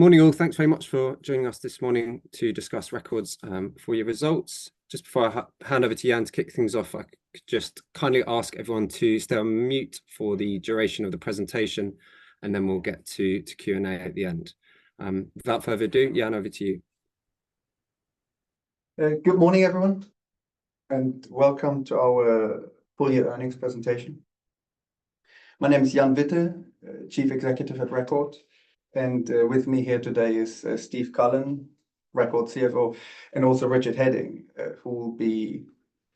Morning, all. Thanks very much for joining us this morning to discuss Record's full year results. Just before I hand over to Jan to kick things off, I could just kindly ask everyone to stay on mute for the duration of the presentation, and then we'll get to Q&A at the end. Without further ado, Jan, over to you. Good morning, everyone, and welcome to our full year earnings presentation. My name is Jan Witte, Chief Executive at Record, and with me here today is Steve Cullen, Record CFO, and also Richard Heading, who will be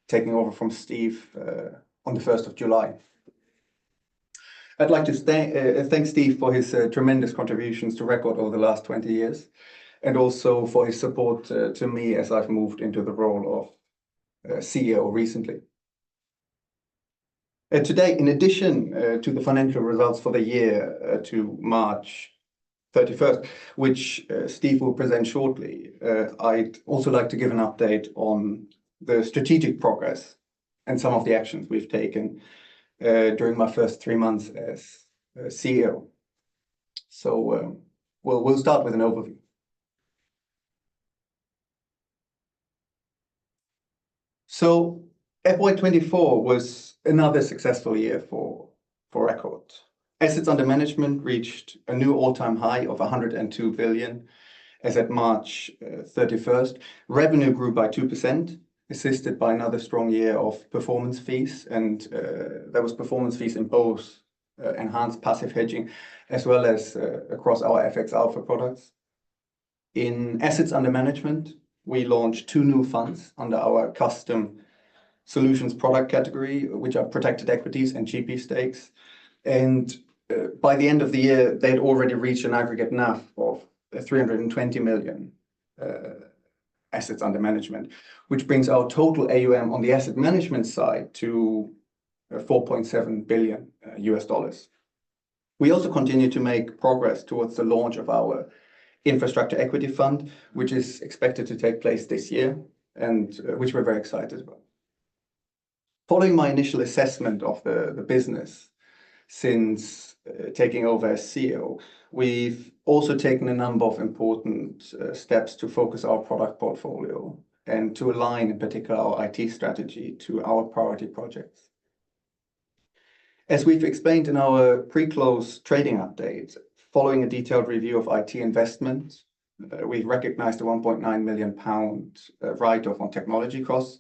taking over from Steve on the first of July. I'd like to thank Steve for his tremendous contributions to Record over the last 20 years, and also for his support to me as I've moved into the role of CEO recently. Today, in addition, to the financial results for the year to March 31st, which Steve will present shortly, I'd also like to give an update on the strategic progress and some of the actions we've taken during my first 3 months as CEO. We'll start with an overview. So FY 2024 was another successful year for Record. Assets under management reached a new all-time high of $102 billion as at March 31. Revenue grew by 2%, assisted by another strong year of performance fees, and there was performance fees in both enhanced passive hedging, as well as across our FX Alpha products. In assets under management, we launched two new funds under our custom solutions product category, which are protected equities and GP stakes. By the end of the year, they'd already reached an aggregate NAV of $320 million assets under management, which brings our total AUM on the asset management side to $4.7 billion. We also continue to make progress toward the launch of our infrastructure equity fund, which is expected to take place this year, and which we're very excited about. Following my initial assessment of the business since taking over as CEO, we've also taken a number of important steps to focus our product portfolio and to align, in particular, our IT strategy to our priority projects. As we've explained in our pre-close trading update, following a detailed review of IT investment, we've recognized a 1.9 million pound write-off on technology costs,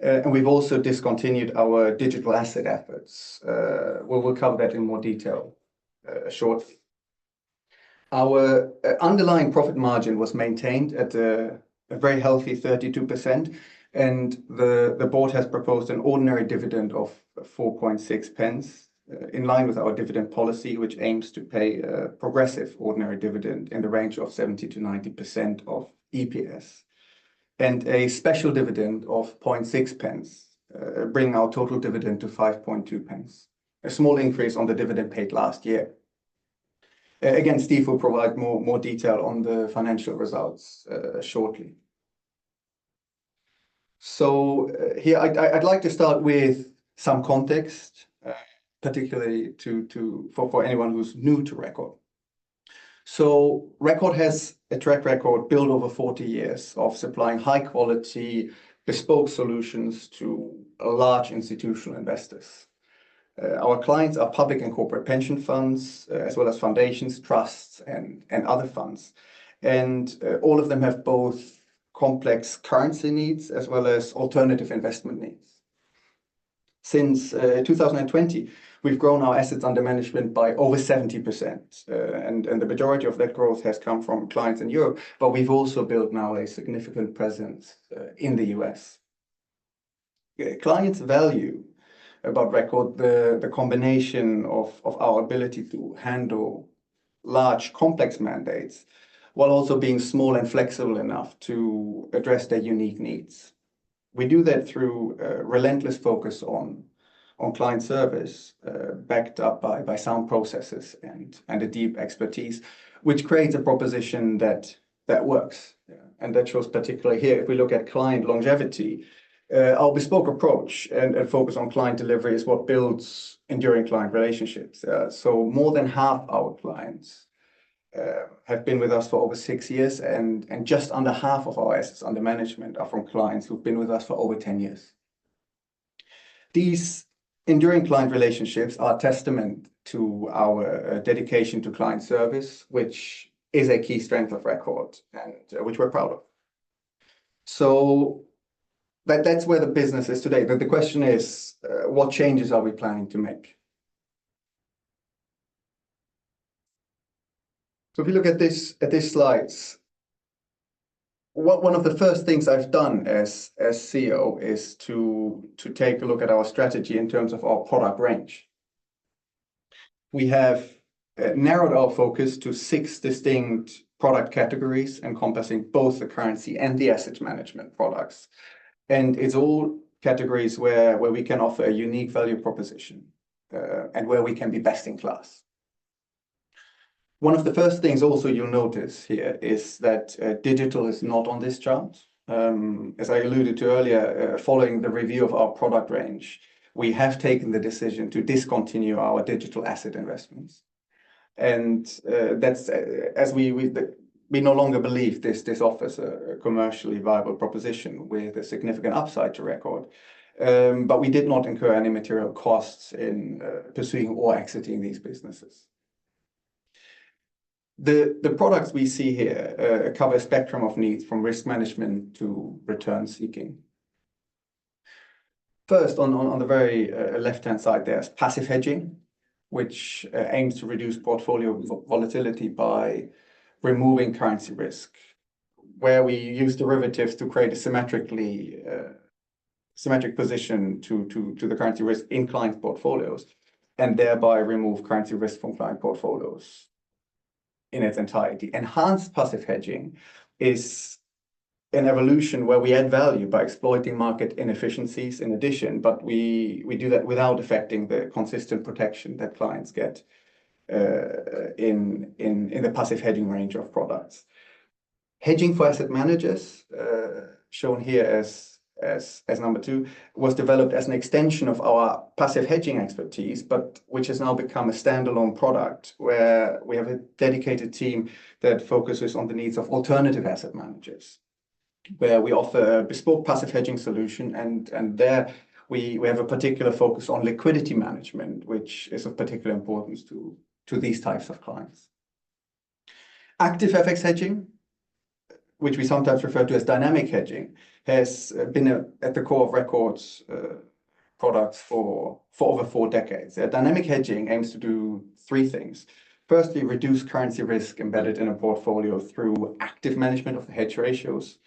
and we've also discontinued our digital asset efforts. We will cover that in more detail shortly. Our underlying profit margin was maintained at a very healthy 32%, and the board has proposed an ordinary dividend of 0.046, in line with our dividend policy, which aims to pay a progressive ordinary dividend in the range of 70%-90% of EPS, and a special dividend of 0.006, bringing our total dividend to 0.052, a small increase on the dividend paid last year. Again, Steve will provide more detail on the financial results shortly. So, here I'd like to start with some context, particularly for anyone who's new to Record. Record has a track record built over 40 years of supplying high-quality, bespoke solutions to large institutional investors. Our clients are public and corporate pension funds, as well as foundations, trusts, and other funds, and all of them have both complex currency needs as well as alternative investment needs. Since 2020, we've grown our assets under management by over 70%, and the majority of that growth has come from clients in Europe, but we've also built now a significant presence in the U.S. Clients value about Record, the combination of our ability to handle large, complex mandates, while also being small and flexible enough to address their unique needs. We do that through a relentless focus on client service, backed up by sound processes and a deep expertise, which creates a proposition that works. Yeah. That shows particularly here, if we look at client longevity, our bespoke approach and focus on client delivery is what builds enduring client relationships. So more than half our clients have been with us for over 6 years, and just under half of our assets under management are from clients who've been with us for over 10 years. These enduring client relationships are a testament to our dedication to client service, which is a key strength of Record, and which we're proud of. So that's where the business is today. But the question is, what changes are we planning to make? So if you look at this, at these slides, one of the first things I've done as CEO is to take a look at our strategy in terms of our product range. We have narrowed our focus to six distinct product categories, encompassing both the currency and the asset management products, and it's all categories where we can offer a unique value proposition and where we can be best in class. One of the first things also you'll notice here is that digital is not on this chart. As I alluded to earlier, following the review of our product range, we have taken the decision to discontinue our digital asset investments and that's as we no longer believe this offers a commercially viable proposition with a significant upside to Record. But we did not incur any material costs in pursuing or exiting these businesses. The products we see here cover a spectrum of needs, from risk management to return seeking. First, on the very left-hand side, there's passive hedging, which aims to reduce portfolio volatility by removing currency risk, where we use derivatives to create a symmetric position to the currency risk in client portfolios, and thereby remove currency risk from client portfolios in its entirety. Enhanced Passive Hedging is an evolution where we add value by exploiting market inefficiencies in addition, but we do that without affecting the consistent protection that clients get in the passive hedging range of products. Hedging for Asset Managers, shown here as number two, was developed as an extension of our passive hedging expertise, but which has now become a standalone product, where we have a dedicated team that focuses on the needs of alternative asset managers, where we offer a bespoke passive hedging solution. There, we have a particular focus on liquidity management, which is of particular importance to these types of clients. Active FX hedging, which we sometimes refer to as dynamic hedging, has been at the core of Record's products for over four decades. Dynamic hedging aims to do three things. Firstly, reduce currency risk embedded in a portfolio through active management of the hedge ratios.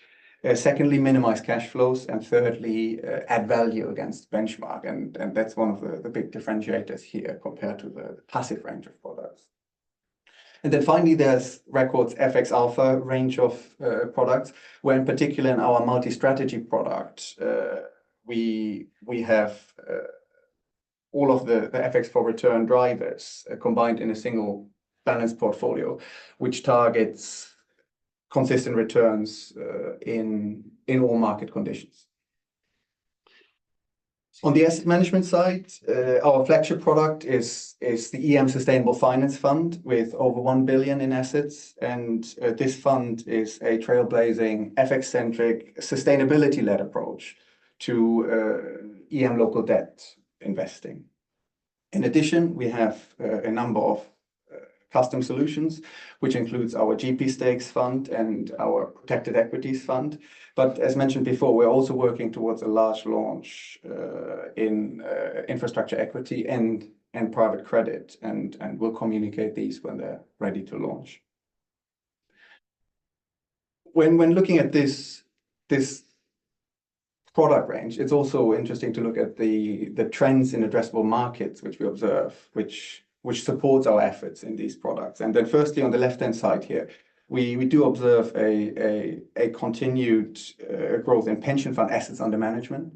Secondly, minimize cash flows, and thirdly, add value against benchmark, and that's one of the big differentiators here compared to the passive range of products. And then finally, there's Record's FX Alpha range of products, where in particular in our multi-strategy product, we have all of the FX return drivers combined in a single balanced portfolio, which targets consistent returns in all market conditions. On the asset management side, our flagship product is the EM Sustainable Finance Fund, with over $1 billion in assets, and this fund is a trailblazing, FX-centric, sustainability-led approach to EM local debt investing. In addition, we have a number of custom solutions, which includes our GP Stakes Fund and our Protected Equities Fund. But as mentioned before, we're also working towards a large launch in infrastructure equity and private credit, and we'll communicate these when they're ready to launch. When looking at this product range, it's also interesting to look at the trends in addressable markets, which we observe, which supports our efforts in these products. And then, firstly, on the left-hand side here, we do observe a continued growth in pension fund assets under management,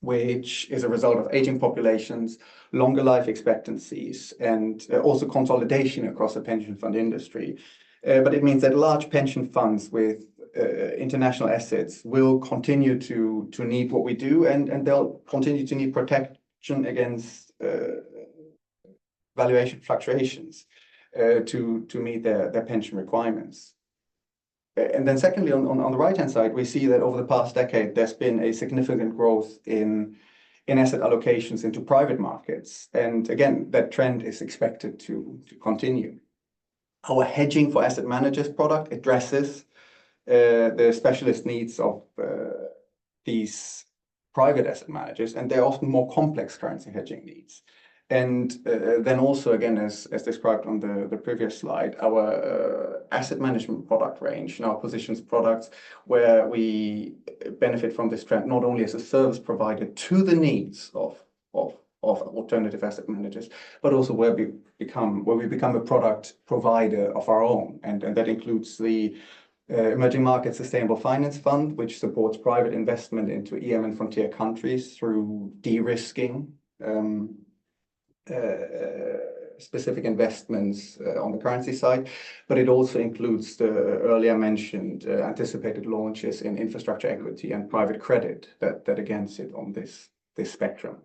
which is a result of aging populations, longer life expectancies, and also consolidation across the pension fund industry. But it means that large pension funds with international assets will continue to need what we do, and they'll continue to need protection against valuation fluctuations to meet their pension requirements. And then secondly, on the right-hand side, we see that over the past decade, there's been a significant growth in asset allocations into private markets, and again, that trend is expected to continue. Our Hedging for Asset Managers product addresses the specialist needs of these private asset managers, and they're often more complex currency hedging needs. And then also, again, as described on the previous slide, our asset management product range and our positions products, where we benefit from this trend, not only as a service provider to the needs of alternative asset managers, but also where we become a product provider of our own. And that includes the Emerging Markets Sustainable Finance Fund, which supports private investment into EM and frontier countries through de-risking specific investments on the currency side. But it also includes the earlier mentioned anticipated launches in infrastructure equity and private credit that again sit on this spectrum.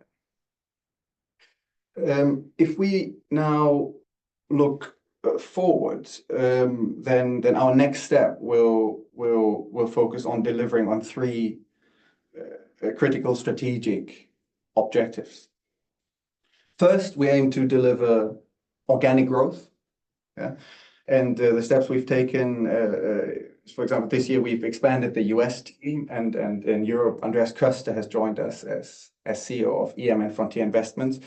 If we now look forwards, then our next step will focus on delivering on three critical strategic objectives. First, we aim to deliver organic growth. Yeah. And, the steps we've taken, for example, this year, we've expanded the U.S. team, and in Europe, Andreas Koester has joined us as CEO of EM and Frontier Investments,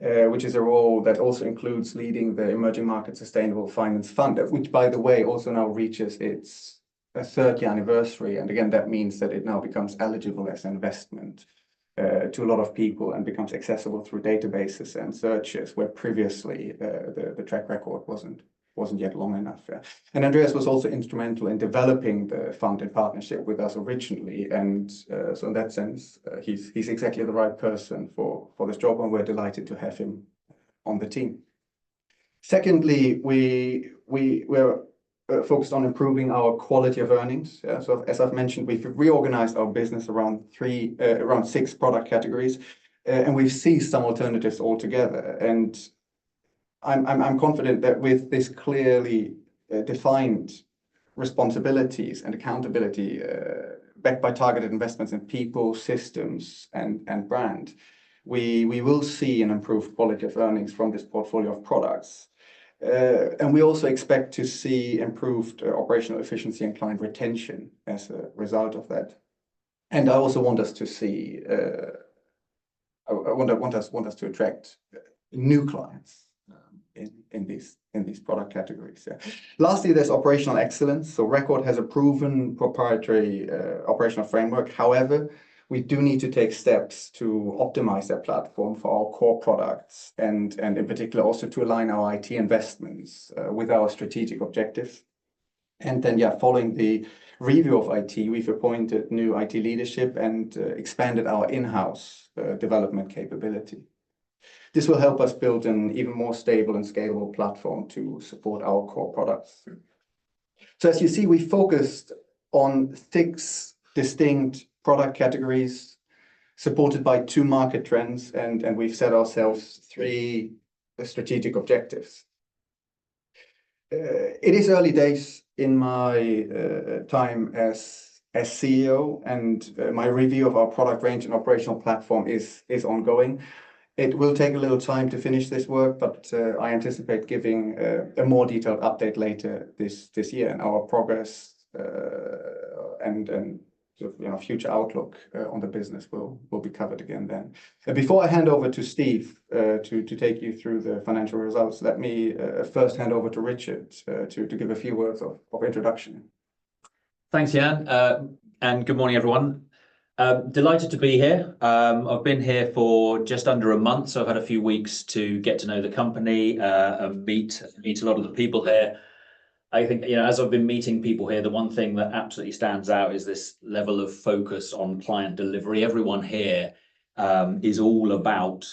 which is a role that also includes leading the Emerging Markets Sustainable Finance Fund, which, by the way, also now reaches its 30th anniversary. And again, that means that it now becomes eligible as an investment to a lot of people and becomes accessible through databases and searches, where previously the track record wasn't yet long enough. And Andreas was also instrumental in developing the fund in partnership with us originally, and so in that sense, he's exactly the right person for this job, and we're delighted to have him on the team. Secondly, we're-... Focused on improving our quality of earnings. So as I've mentioned, we've reorganized our business around 3, around 6 product categories, and we've ceased some alternatives altogether. And I'm confident that with this clearly defined responsibilities and accountability, backed by targeted investments in people, systems, and brand, we will see an improved quality of earnings from this portfolio of products. And we also expect to see improved operational efficiency and client retention as a result of that. And I also want us to attract new clients in these product categories, yeah. Lastly, there's operational excellence. So Record has a proven proprietary operational framework. However, we do need to take steps to optimize that platform for our core products and, and in particular, also to align our IT investments with our strategic objective. And then, yeah, following the review of IT, we've appointed new IT leadership and expanded our in-house development capability. This will help us build an even more stable and scalable platform to support our core products. So as you see, we focused on six distinct product categories, supported by two market trends, and we've set ourselves three strategic objectives. It is early days in my time as CEO, and my review of our product range and operational platform is ongoing. It will take a little time to finish this work, but I anticipate giving a more detailed update later this year, and our progress and you know future outlook on the business will be covered again then. Before I hand over to Steve to take you through the financial results, let me first hand over to Richard to give a few words of introduction. Thanks, Jan, and good morning, everyone. Delighted to be here. I've been here for just under a month, so I've had a few weeks to get to know the company and meet a lot of the people here. I think, you know, as I've been meeting people here, the one thing that absolutely stands out is this level of focus on client delivery. Everyone here is all about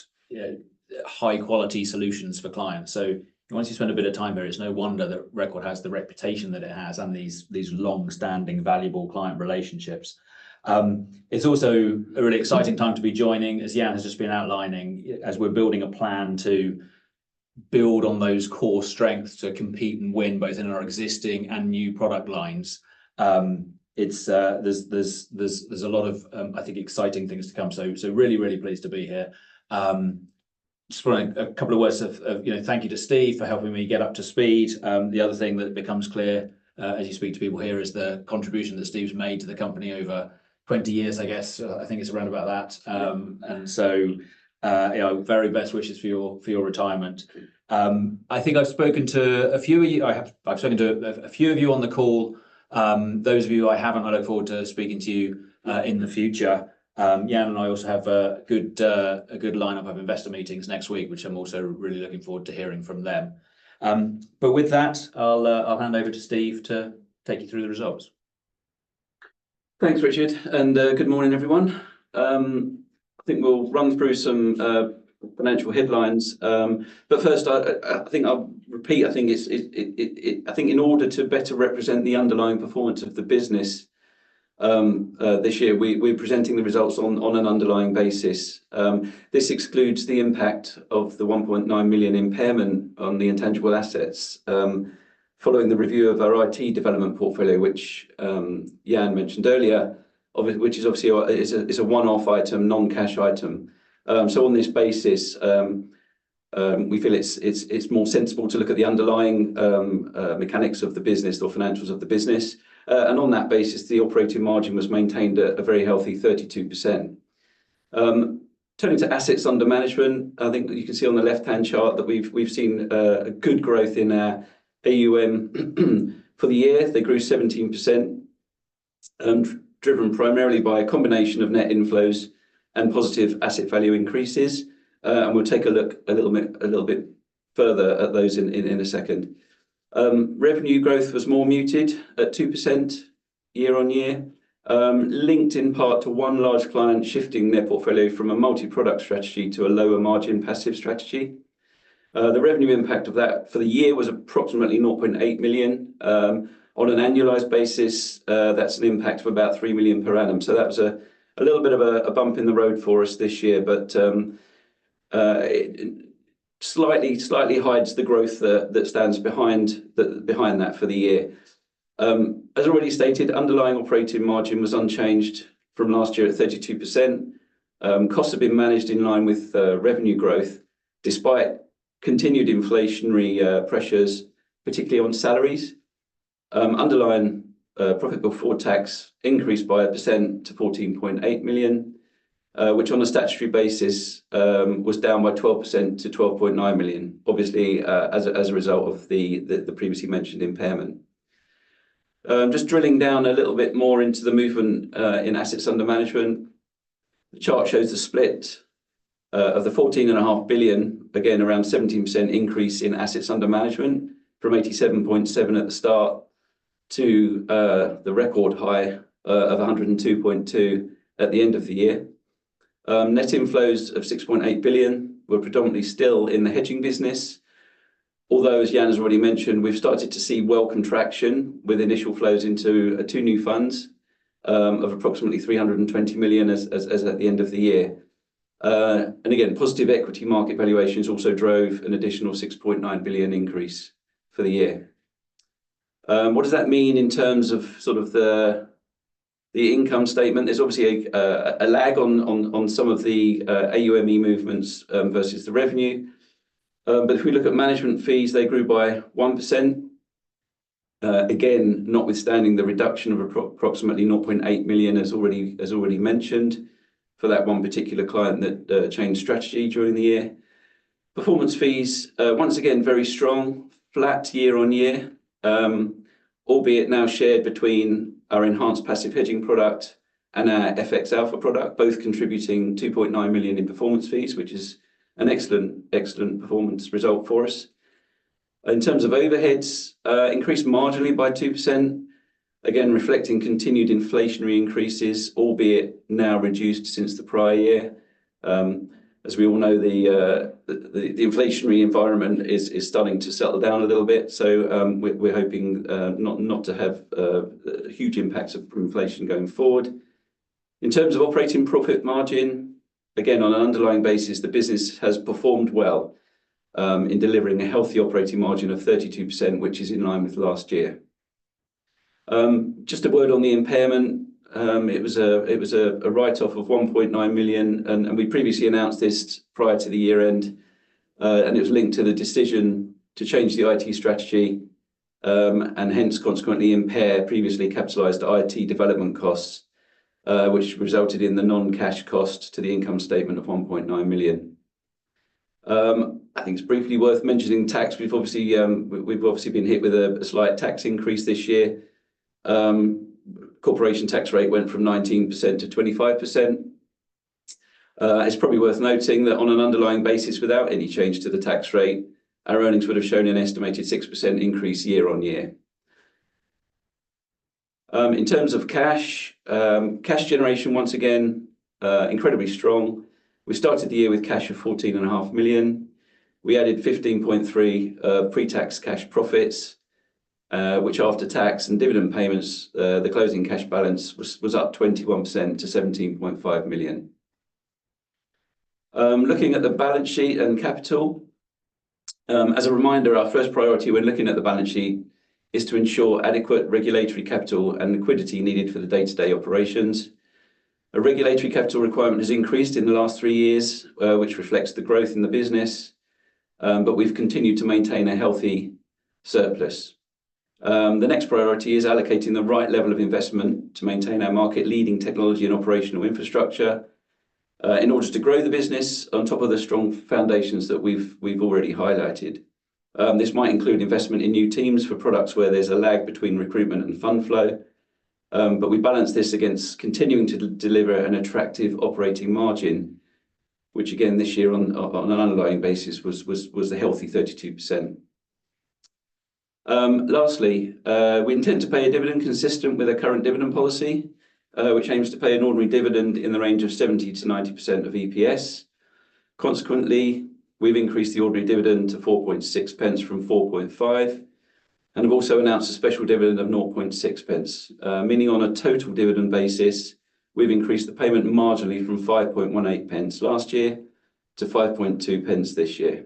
high-quality solutions for clients. So once you spend a bit of time here, it's no wonder that Record has the reputation that it has and these long-standing, valuable client relationships. It's also a really exciting time to be joining, as Jan has just been outlining, as we're building a plan to build on those core strengths to compete and win, both in our existing and new product lines. It's... There's a lot of, I think, exciting things to come. So really, really pleased to be here. Just a couple of words of, you know, thank you to Steve for helping me get up to speed. The other thing that becomes clear as you speak to people here is the contribution that Steve's made to the company over 20 years, I guess. I think it's around about that. And so, you know, very best wishes for your retirement. I think I've spoken to a few of you. I've spoken to a few of you on the call. Those of you who I haven't, I look forward to speaking to you in the future. Jan and I also have a good line-up of investor meetings next week, which I'm also really looking forward to hearing from them. But with that, I'll hand over to Steve to take you through the results. Thanks, Richard, and good morning, everyone. I think we'll run through some financial headlines. But first, I think I'll repeat. I think in order to better represent the underlying performance of the business, this year, we're presenting the results on an underlying basis. This excludes the impact of the 1.9 million impairment on the intangible assets, following the review of our IT development portfolio, which Jan mentioned earlier, which is obviously, it's a one-off item, non-cash item. So on this basis, we feel it's more sensible to look at the underlying mechanics of the business or financials of the business. And on that basis, the operating margin was maintained at a very healthy 32%. Turning to assets under management, I think you can see on the left-hand chart that we've seen a good growth in our AUM. For the year, they grew 17%, driven primarily by a combination of net inflows and positive asset value increases. And we'll take a look a little bit further at those in a second. Revenue growth was more muted at 2% year-on-year, linked in part to one large client shifting their portfolio from a multi-product strategy to a lower-margin passive strategy. The revenue impact of that for the year was approximately 0.8 million. On an annualized basis, that's an impact of about 3 million per annum. So that was a little bit of a bump in the road for us this year, but it slightly hides the growth that stands behind that for the year. As already stated, underlying operating margin was unchanged from last year at 32%. Costs have been managed in line with revenue growth, despite continued inflationary pressures, particularly on salaries. Underlying profit before tax increased by 1% to 14.8 million, which on a statutory basis was down by 12% to 12.9 million, obviously as a result of the previously mentioned impairment. Just drilling down a little bit more into the movement in assets under management, the chart shows the split of the 14.5 billion, again, around 17% increase in assets under management from 87.7 billion at the start to the record high of 102.2 billion at the end of the year. Net inflows of 6.8 billion were predominantly still in the hedging business. Although, as Jan has already mentioned, we've started to see, well, contraction with initial flows into two new funds of approximately 320 million as at the end of the year. And again, positive equity market valuations also drove an additional 6.9 billion increase for the year. What does that mean in terms of sort of the income statement? There's obviously a lag on some of the AUME movements versus the revenue. But if we look at management fees, they grew by 1%. Again, notwithstanding the reduction of approximately 0.8 million, as already mentioned, for that one particular client that changed strategy during the year. Performance fees, once again, very strong, flat year-on-year, albeit now shared between our Enhanced Passive Hedging product and our FX Alpha product, both contributing 2.9 million in performance fees, which is an excellent, excellent performance result for us. In terms of overheads, increased marginally by 2%, again, reflecting continued inflationary increases, albeit now reduced since the prior year. As we all know, the inflationary environment is starting to settle down a little bit, so we're hoping not to have huge impacts of inflation going forward. In terms of operating profit margin, again, on an underlying basis, the business has performed well in delivering a healthy operating margin of 32%, which is in line with last year. Just a word on the impairment. It was a write-off of 1.9 million, and we previously announced this prior to the year end, and it was linked to the decision to change the IT strategy, and hence consequently impair previously capitalized IT development costs, which resulted in the non-cash cost to the income statement of 1.9 million. I think it's briefly worth mentioning tax. We've obviously been hit with a slight tax increase this year. Corporation tax rate went from 19% to 25%. It's probably worth noting that on an underlying basis, without any change to the tax rate, our earnings would have shown an estimated 6% increase year-on-year. In terms of cash, cash generation, once again, incredibly strong. We started the year with cash of 14.5 million. We added 15.3 pre-tax cash profits, which, after tax and dividend payments, the closing cash balance was up 21% to 17.5 million. Looking at the balance sheet and capital, as a reminder, our first priority when looking at the balance sheet is to ensure adequate regulatory capital and liquidity needed for the day-to-day operations. The regulatory capital requirement has increased in the last three years, which reflects the growth in the business, but we've continued to maintain a healthy surplus. The next priority is allocating the right level of investment to maintain our market-leading technology and operational infrastructure, in order to grow the business on top of the strong foundations that we've already highlighted. This might include investment in new teams for products where there's a lag between recruitment and fund flow, but we balance this against continuing to deliver an attractive operating margin, which again, this year on an underlying basis, was a healthy 32%. Lastly, we intend to pay a dividend consistent with our current dividend policy, which aims to pay an ordinary dividend in the range of 70%-90% of EPS. Consequently, we've increased the ordinary dividend to 0.046 from 0.045 and have also announced a special dividend of 0.006. Meaning on a total dividend basis, we've increased the payment marginally from 0.0518 last year to 0.052 this year.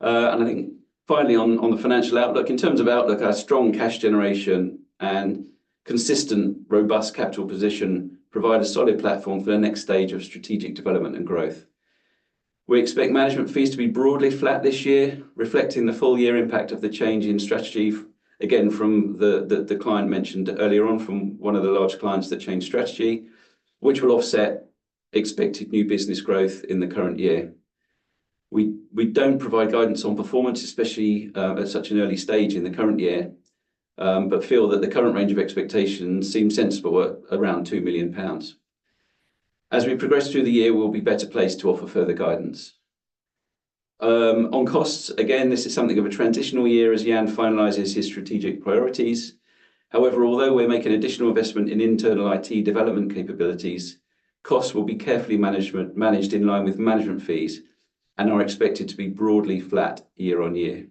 And I think finally, on the financial outlook, in terms of outlook, our strong cash generation and consistent, robust capital position provide a solid platform for the next stage of strategic development and growth. We expect management fees to be broadly flat this year, reflecting the full year impact of the change in strategy, again, from the client mentioned earlier on, from one of the large clients that changed strategy, which will offset expected new business growth in the current year. We don't provide guidance on performance, especially at such an early stage in the current year, but feel that the current range of expectations seem sensible at around 2 million pounds. As we progress through the year, we'll be better placed to offer further guidance. On costs, again, this is something of a transitional year as Jan finalizes his strategic priorities. However, although we're making additional investment in internal IT development capabilities, costs will be carefully managed in line with management fees and are expected to be broadly flat year on year.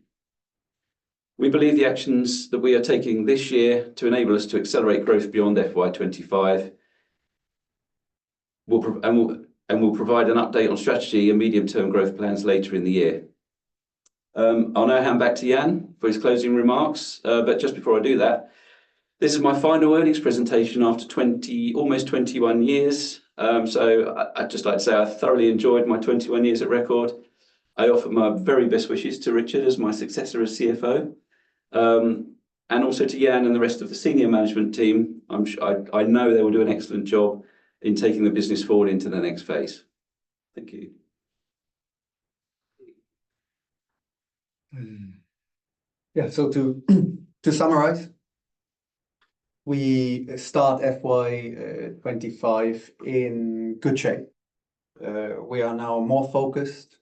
We believe the actions that we are taking this year to enable us to accelerate growth beyond FY 2025 will provide an update on strategy and medium-term growth plans later in the year. I'll now hand back to Jan for his closing remarks, but just before I do that, this is my final earnings presentation after 20, almost 21 years. So I'd just like to say I thoroughly enjoyed my 21 years at Record. I offer my very best wishes to Richard as my successor as CFO, and also to Jan and the rest of the senior management team. I know they will do an excellent job in taking the business forward into the next phase. Thank you. Yeah, so to summarize, we start FY 25 in good shape. We are now more focused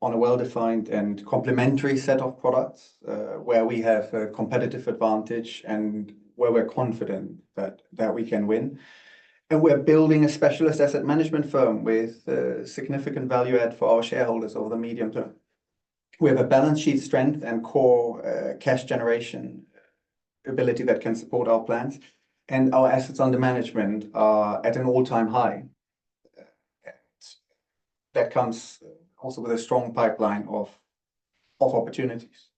on a well-defined and complementary set of products, where we have a competitive advantage and where we're confident that we can win. And we're building a specialist asset management firm with significant value add for our shareholders over the medium term. We have a balance sheet strength and core cash generation ability that can support our plans, and our assets under management are at an all-time high. That comes also with a strong pipeline of opportunities.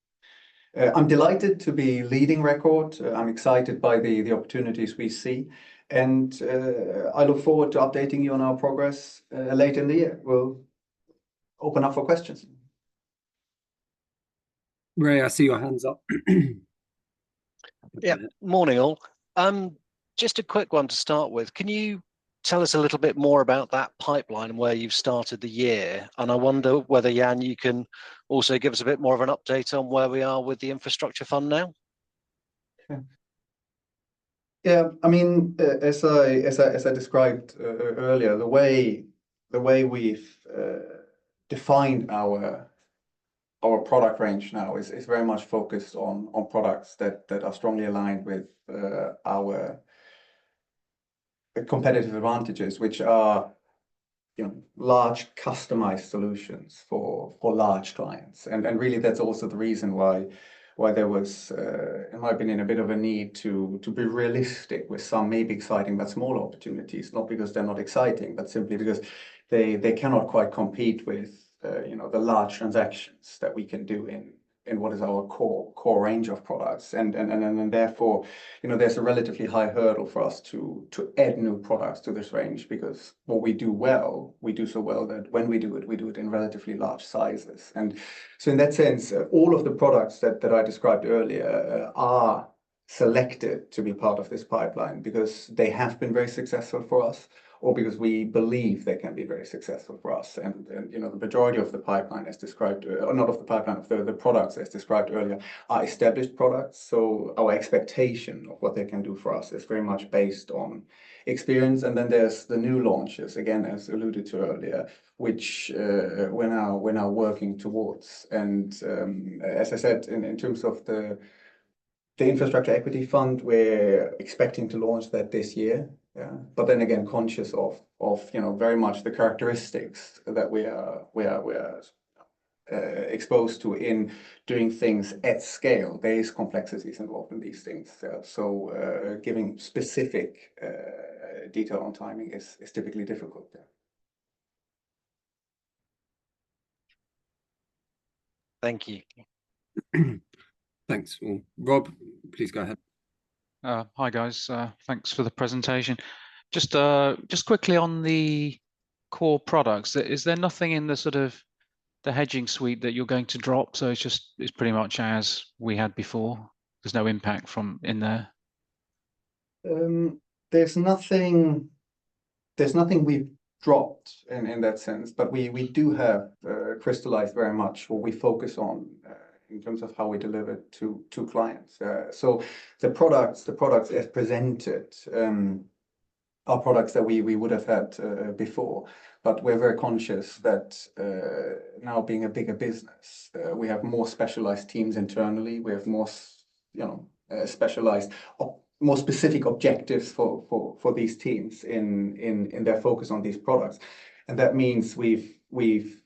I'm delighted to be leading Record. I'm excited by the opportunities we see, and I look forward to updating you on our progress later in the year. We'll open up for questions. Ray, I see your hand's up. Yeah. Morning, all. Just a quick one to start with. Can you tell us a little bit more about that pipeline and where you've started the year? And I wonder whether, Jan, you can also give us a bit more of an update on where we are with the infrastructure fund now? Yeah. I mean, as I described earlier, the way we've defined our product range now is very much focused on products that are strongly aligned with our competitive advantages, which are, you know, large customized solutions for large clients. Really, that's also the reason why there was, in my opinion, a bit of a need to be realistic with some maybe exciting but smaller opportunities. Not because they're not exciting, but simply because they cannot quite compete with, you know, the large transactions that we can do in what is our core range of products. Then therefore, you know, there's a relatively high hurdle for us to add new products to this range, because what we do well, we do so well that when we do it, we do it in relatively large sizes. And so in that sense, all of the products that I described earlier are selected to be part of this pipeline because they have been very successful for us or because we believe they can be very successful for us. And you know, the majority of the pipeline, as described... not of the pipeline, of the products, as described earlier, are established products, so our expectation of what they can do for us is very much based on experience. And then there's the new launches, again, as alluded to earlier, which we're now working towards. As I said, in terms of the infrastructure equity fund, we're expecting to launch that this year. But then again, conscious of you know very much the characteristics that we are exposed to in doing things at scale. There is complexities involved in these things. So, giving specific detail on timing is typically difficult there. Thank you. Thanks. Well, Rob, please go ahead. Hi, guys. Thanks for the presentation. Just, just quickly on the core products, is there nothing in the sort of the hedging suite that you're going to drop, so it's just, it's pretty much as we had before? There's no impact from in there? There's nothing, there's nothing we've dropped in that sense, but we do have crystallized very much what we focus on in terms of how we deliver to clients. So the products, the products as presented, are products that we would have had before, but we're very conscious that now being a bigger business we have more specialized teams internally. We have more you know specialized, or more specific objectives for these teams in their focus on these products. And that means we've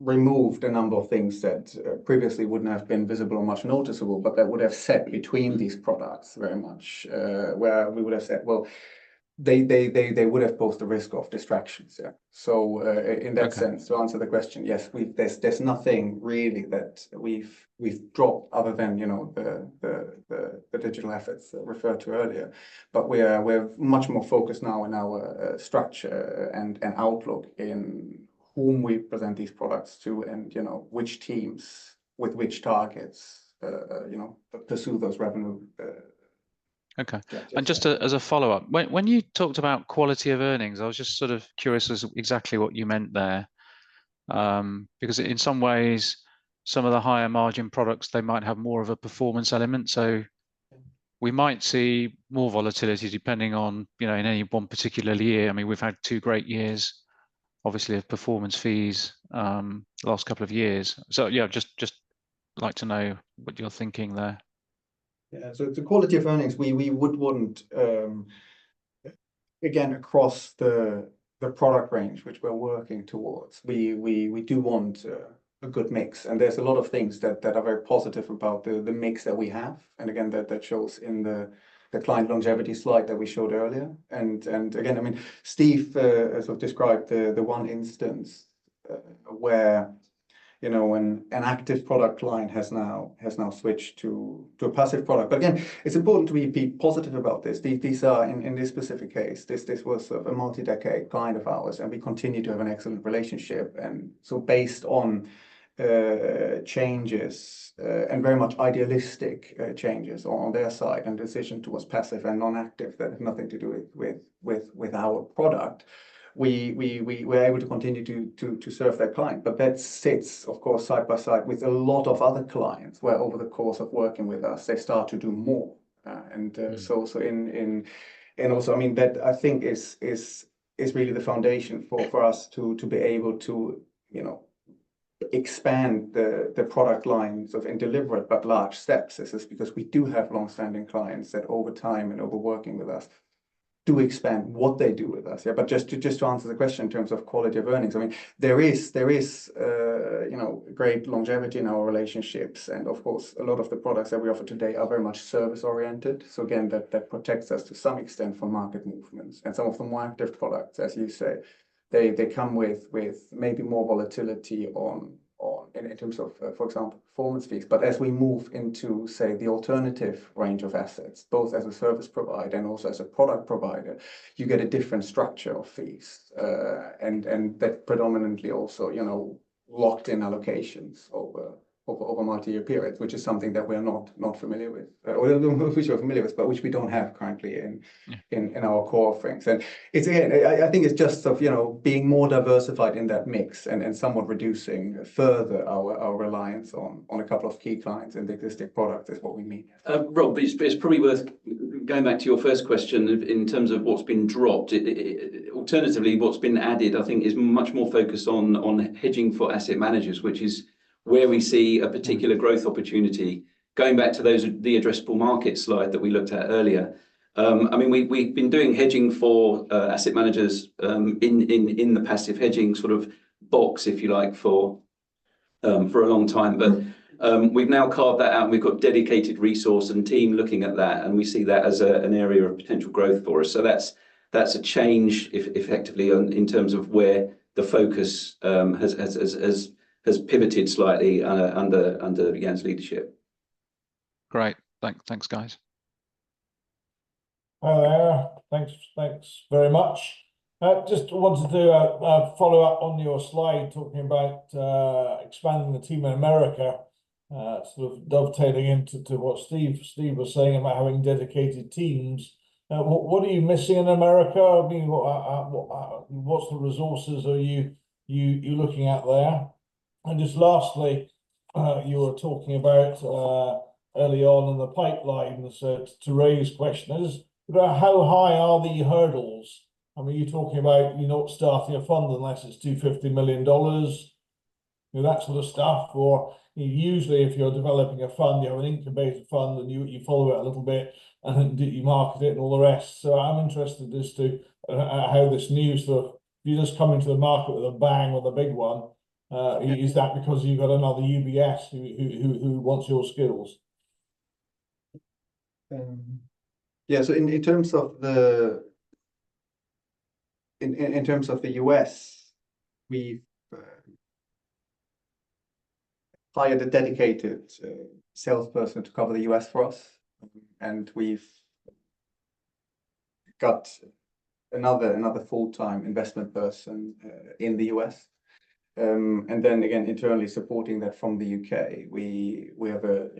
removed a number of things that previously wouldn't have been visible or much noticeable, but that would have set between these products very much where we would have said, well, they would have posed a risk of distractions, yeah. So, Okay in that sense, to answer the question, yes, there's nothing really that we've dropped other than, you know, the digital efforts referred to earlier. But we're much more focused now on our structure and outlook in whom we present these products to and, you know, which teams with which targets, you know, to suit those revenue. Okay. Yeah. Just as a follow-up, when you talked about quality of earnings, I was just sort of curious as exactly what you meant there. Because in some ways, some of the higher margin products, they might have more of a performance element. So we might see more volatility depending on, you know, in any one particular year. I mean, we've had two great years, obviously, of performance fees, the last couple of years. So, yeah, just like to know what you're thinking there. Yeah. So the quality of earnings, we would want, again, across the product range, which we're working towards, we do want a good mix, and there's a lot of things that are very positive about the mix that we have, and again, that shows in the client longevity slide that we showed earlier. And again, I mean, Steve sort of described the one instance where, you know, when an active product line has now switched to a passive product. Yeah. But again, it's important we be positive about this. These are, in this specific case, this was sort of a multi-decade client of ours, and we continue to have an excellent relationship. And so based on changes and very much idealistic changes on their side and decision towards passive and non-active, that has nothing to do with our product, we were able to continue to serve that client. But that sits, of course, side by side with a lot of other clients, where over the course of working with us, they start to do more. And also, I mean, that, I think, is really the foundation for us to be able to, you know, expand the product lines of and deliver it, but large steps. This is because we do have long-standing clients that over time and over working with us, do expand what they do with us. Yeah, but just to, just to answer the question in terms of quality of earnings, I mean, there is, there is, you know, great longevity in our relationships, and of course, a lot of the products that we offer today are very much service-oriented. So again, that, that protects us to some extent from market movements. And some of the more active products, as you say, they, they come with, with maybe more volatility on, on, in terms of, for example, performance fees. But as we move into, say, the alternative range of assets, both as a service provider and also as a product provider, you get a different structure of fees. And that predominantly also, you know, locked in allocations over multi-year periods, which is something that we are not familiar with. Or which we're familiar with, but which we don't have currently in our core offerings. And it's, again, I think it's just of, you know, being more diversified in that mix and somewhat reducing further our reliance on a couple of key clients and the existing product is what we mean. Rob, it's probably worth going back to your first question in terms of what's been dropped. Alternatively, what's been added, I think is much more focused on hedging for asset managers, which is where we see a particular growth opportunity. Going back to those, the addressable market slide that we looked at earlier, I mean, we've been doing hedging for asset managers in the passive hedging sort of box, if you like, for a long time. But we've now carved that out, and we've got dedicated resource and team looking at that, and we see that as an area of potential growth for us. So that's a change effectively in terms of where the focus has pivoted slightly under Jan's leadership. Great. Thanks, guys. Hi there. Thanks, thanks very much. Just wanted to follow up on your slide, talking about expanding the team in America, sort of dovetailing into what Steve was saying about having dedicated teams. What are you missing in America? I mean, what are the resources you are looking at there? And just lastly, you were talking about early on in the pipeline, so to raise questions about how high are the hurdles? I mean, are you talking about you're not starting a fund unless it's $250 million, that sort of stuff? Or usually, if you're developing a fund, you have an incubator fund, and you follow it a little bit, and then you market it and all the rest. I'm interested as to how this new sort of, you just come into the market with a bang or the big one. Is that because you've got another UBS who wants your skills? Yeah, so in terms of the US, we've hired a dedicated salesperson to cover the US for us, and we've got another full-time investment person in the US. And then again, internally supporting that from the UK, we have a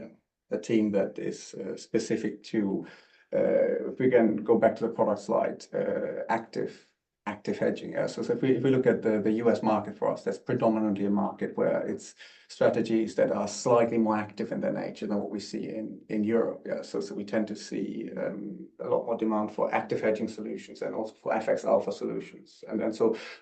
team that is specific to, if we can go back to the product slide, active hedging. Yeah, so if we look at the US market for us, that's predominantly a market where it's strategies that are slightly more active in their nature than what we see in Europe. Yeah, so we tend to see a lot more demand for active hedging solutions and also for FX alpha solutions. And then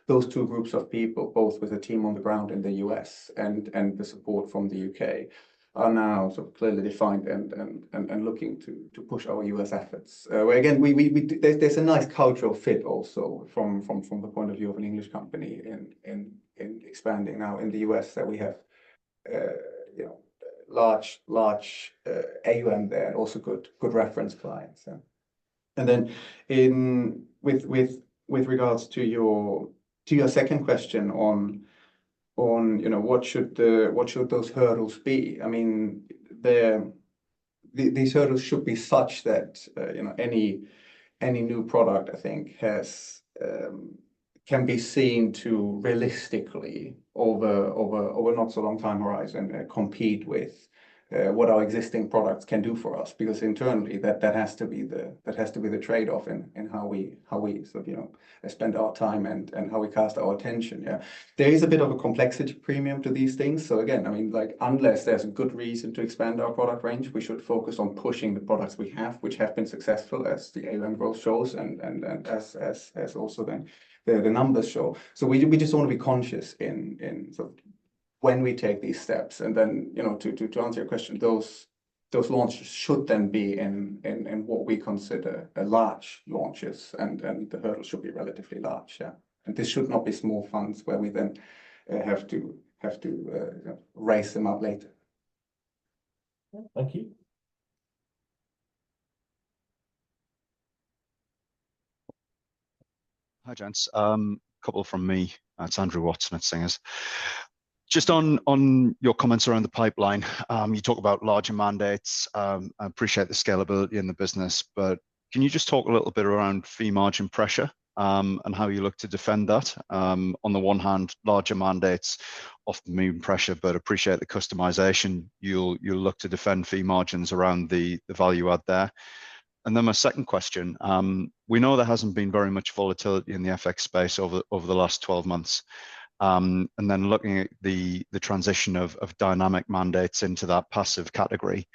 those two groups of people, both with a team on the ground in the U.S. and the support from the U.K., are now sort of clearly defined and looking to push our U.S. efforts. Again, we—there's a nice cultural fit also from the point of view of an English company in expanding now in the U.S., that we have, you know, large AUM there, and also good reference clients, yeah. And then with regards to your second question on, you know, what should those hurdles be? I mean, these hurdles should be such that you know any new product I think can be seen to realistically over a not so long time horizon compete with what our existing products can do for us. Because internally, that has to be the trade-off in how we sort of you know spend our time and how we cast our attention. Yeah. There is a bit of a complexity premium to these things. So again, I mean, like, unless there's a good reason to expand our product range, we should focus on pushing the products we have, which have been successful, as the AUM growth shows, and as also the numbers show. So we just want to be conscious in sort of when we take these steps, and then, you know, to answer your question, those launches should then be in what we consider a large launches, and the hurdle should be relatively large. Yeah. And this should not be small funds where we then have to raise them up later. Thank you. Hi, gents. A couple from me. It's Andrew Watson at Singer. Just on your comments around the pipeline, you talk about larger mandates. I appreciate the scalability in the business, but can you just talk a little bit around fee margin pressure, and how you look to defend that? On the one hand, larger mandates often mean pressure, but appreciate the customization. You'll look to defend fee margins around the value add there. And then my second question: We know there hasn't been very much volatility in the FX space over the last 12 months. And then looking at the transition of dynamic mandates into that passive category,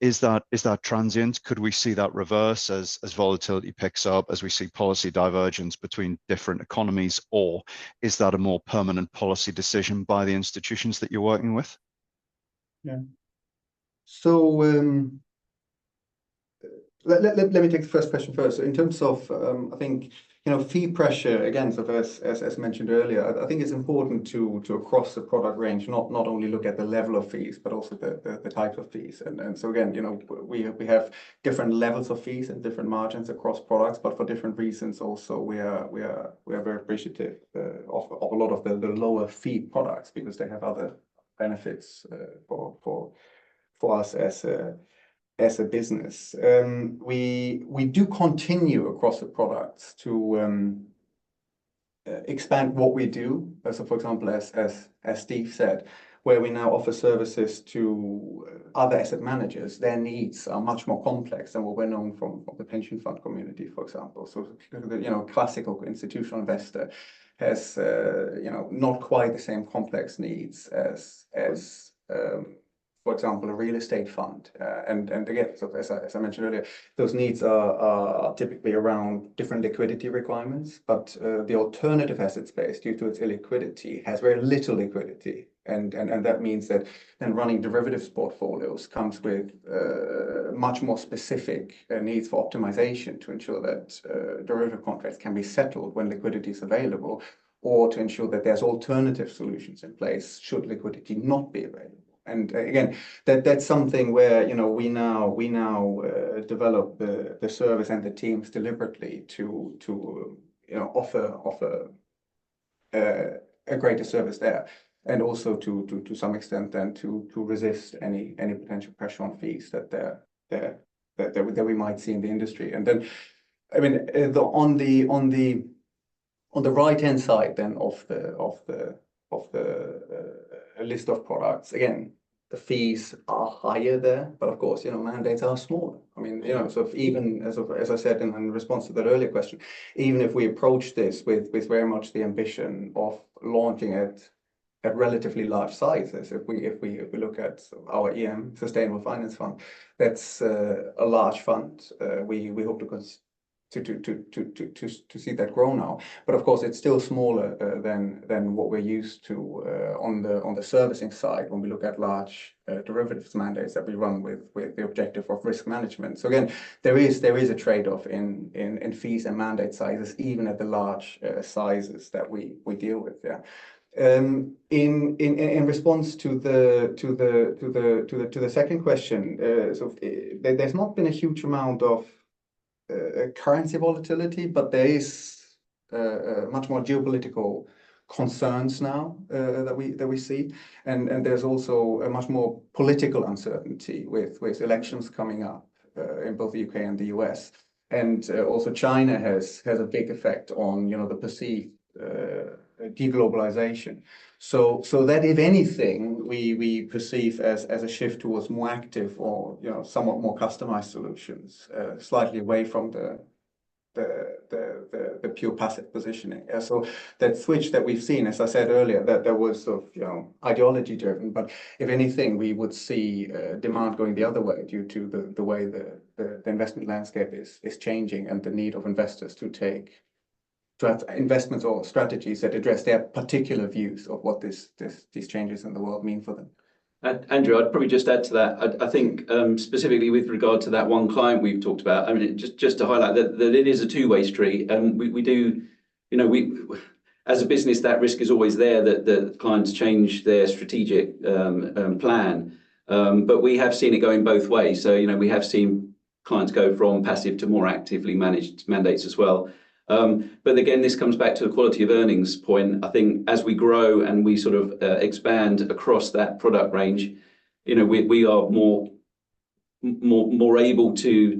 is that transient? Could we see that reverse as, as volatility picks up, as we see policy divergence between different economies, or is that a more permanent policy decision by the institutions that you're working with? Yeah. So, let me take the first question first. In terms of, I think, you know, fee pressure, again, so first, as mentioned earlier, I think it's important to across the product range, not only look at the level of fees, but also the type of fees. So again, you know, we have different levels of fees and different margins across products, but for different reasons also, we are very appreciative of a lot of the lower fee products because they have other benefits for us as a business. We do continue across the products to expand what we do. So, for example, as Steve said, where we now offer services to other asset managers, their needs are much more complex than what we know from the pension fund community, for example. So, you know, classical institutional investor has, you know, not quite the same complex needs as, for example, a real estate fund. And again, so as I mentioned earlier, those needs are typically around different liquidity requirements, but the alternative asset space, due to its illiquidity, has very little liquidity. And that means that then running derivatives portfolios comes with much more specific needs for optimization to ensure that derivative contracts can be settled when liquidity is available, or to ensure that there's alternative solutions in place should liquidity not be available. And, again, that's something where, you know, we now develop the service and the teams deliberately to, you know, offer a greater service there, and also to some extent, then to resist any potential pressure on fees that we might see in the industry. And then, I mean, on the right-hand side then of the list of products, again, the fees are higher there, but of course, you know, mandates are smaller. I mean, you know, so even as I said in response to that earlier question, even if we approach this with very much the ambition of launching it at relatively large sizes, if we look at our EM sustainable finance fund, that's a large fund. We hope to see that grow now. But of course, it's still smaller than what we're used to on the servicing side when we look at large derivatives mandates that we run with the objective of risk management. So again, there is a trade-off in fees and mandate sizes, even at the large sizes that we deal with, yeah. In response to the second question, so there's not been a huge amount of currency volatility, but there is much more geopolitical concerns now that we see. And there's also a much more political uncertainty with elections coming up in both the U.K. and the U.S. And also China has a big effect on, you know, the perceived de-globalization. So that if anything, we perceive as a shift towards more active or, you know, somewhat more customized solutions, slightly away from the pure passive positioning. So that switch that we've seen, as I said earlier, that there was sort of, you know, ideology-driven, but if anything, we would see demand going the other way due to the way the investment landscape is changing and the need of investors to take... to have investments or strategies that address their particular views of what these changes in the world mean for them. And Andrew, I'd probably just add to that. I think, specifically with regard to that one client we've talked about, I mean, just, just to highlight that, that it is a two-way street, and we, we do... You know, we, as a business, that risk is always there, that, that clients change their strategic plan. But we have seen it going both ways. So, you know, we have seen clients go from passive to more actively managed mandates as well. But again, this comes back to the quality of earnings point. I think as we grow and we sort of expand across that product range, you know, we, we are more able to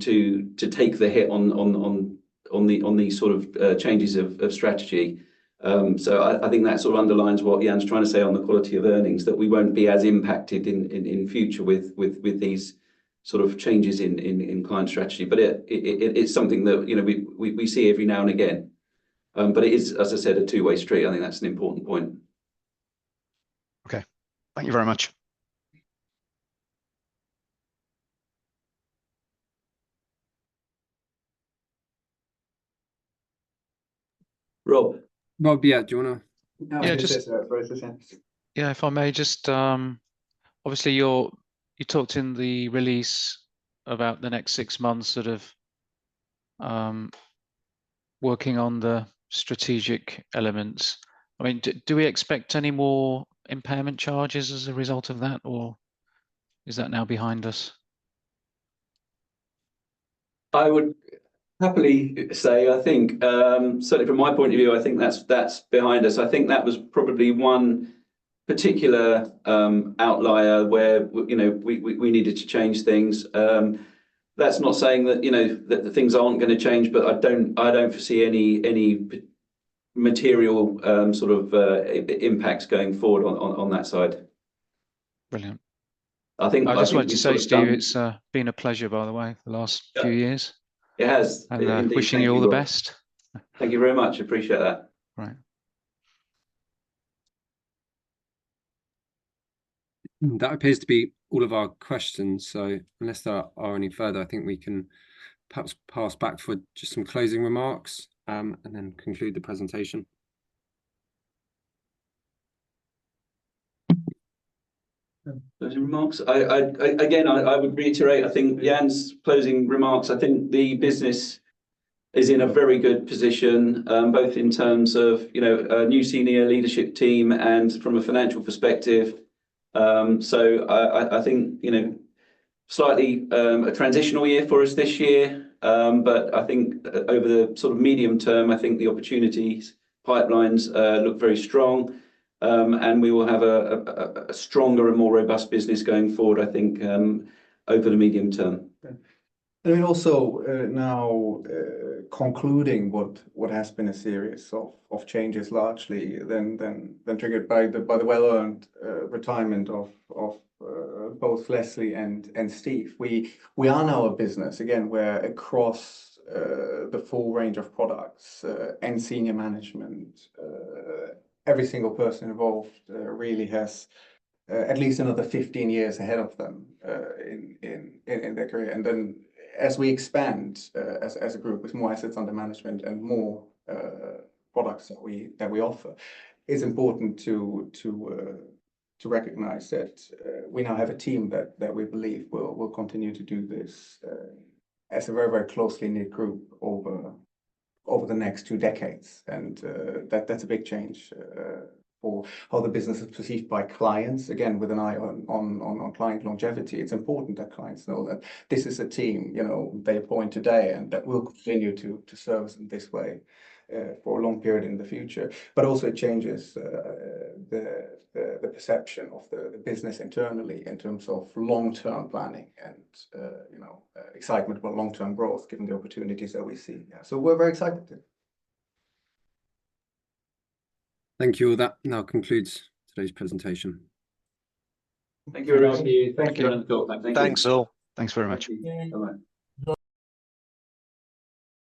take the hit on, on the, on these sort of changes of strategy. So I think that sort of underlines what Jan's trying to say on the quality of earnings, that we won't be as impacted in future with these sort of changes in client strategy. But it's something that, you know, we see every now and again. But it is, as I said, a two-way street. I think that's an important point. Okay. Thank you very much. Rob? Rob, yeah, do you wanna- No, just- Yeah, just- Yeah, if I may just, obviously, you talked in the release about the next six months, sort of, working on the strategic elements. I mean, do we expect any more impairment charges as a result of that, or is that now behind us? I would happily say, I think, certainly from my point of view, I think that's behind us. I think that was probably one particular outlier where you know, we needed to change things. That's not saying that, you know, that the things aren't gonna change, but I don't foresee any material sort of impacts going forward on that side. Brilliant. I think- I just wanted to say to you, it's been a pleasure, by the way, the last few years. It has. Wishing you all the best. Thank you very much. Appreciate that. Right. That appears to be all of our questions, so unless there are any further, I think we can perhaps pass back for just some closing remarks, and then conclude the presentation. Closing remarks? I would reiterate, I think Jan's closing remarks. I think the business is in a very good position, both in terms of, you know, a new senior leadership team and from a financial perspective. So I think, you know, slightly, a transitional year for us this year. But I think over the sort of medium term, I think the opportunities pipelines look very strong. And we will have a stronger and more robust business going forward, I think, over the medium term. And also, now, concluding what has been a series of changes largely that triggered by the well-earned retirement of both Leslie and Steve. We are now a business, again, where across the full range of products and senior management, every single person involved really has at least another 15 years ahead of them in their career. And then as we expand as a group with more assets under management and more products that we offer, it's important to recognize that we now have a team that we believe will continue to do this as a very closely-knit group over the next 2 decades. And, that, that's a big change, for how the business is perceived by clients, again, with an eye on client longevity. It's important that clients know that this is a team, you know, they appoint today, and that will continue to serve us in this way, for a long period in the future. But also it changes the perception of the business internally in terms of long-term planning and, you know, excitement about long-term growth, given the opportunities that we see. Yeah, so we're very excited. Thank you. That now concludes today's presentation. Thank you, Ralphie. Thank you. Thank you. Thanks, all. Thanks very much. Bye-bye.